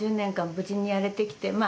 無事にやれてきてまあ